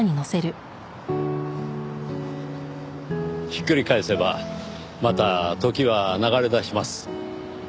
ひっくり返せばまた時は流れ出します。